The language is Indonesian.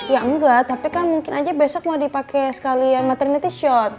ya enggak tapi kan mungkin aja besok mau dipakai sekalian materinity shot